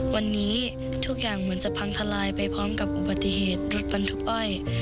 วันนี้ทุกอย่างเหมือนจะพังทลายไปพร้อมกับอุบัติเหตุรถบรรทุกอ้อย